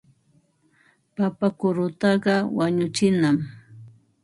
Papa kurutaqa wañuchinam.